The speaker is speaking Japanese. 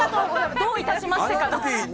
どういたしましてか？